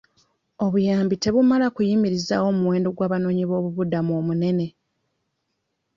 Obuyambi tebumala kuyimirizaawo omuwendo gw'abanoonyiboobubudamu omunene.